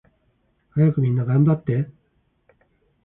はやくみんながんばって